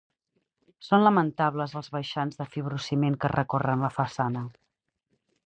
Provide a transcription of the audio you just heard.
Són lamentables els baixants de fibrociment que recorren la façana.